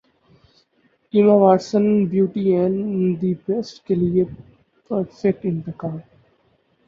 Emma Watson Beauty and the Beast کے لیے perfect انتخاب